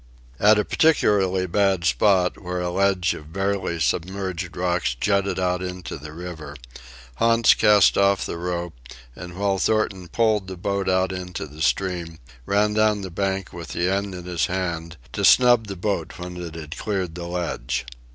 At a particularly bad spot, where a ledge of barely submerged rocks jutted out into the river, Hans cast off the rope, and, while Thornton poled the boat out into the stream, ran down the bank with the end in his hand to snub the boat when it had cleared the ledge.